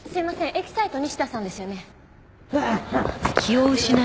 エキサイト西田さんですよね？